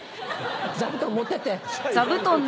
座布団持ってって。